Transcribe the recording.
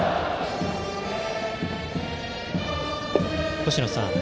星野さん